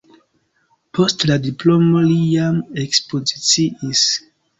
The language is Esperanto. Post la diplomo li jam ekspoziciis.